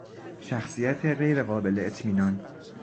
شخصیت غیرقابل اطمینان